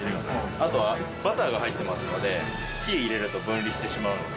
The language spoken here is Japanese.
あとはバターが入ってますので火入れると分離してしまうので。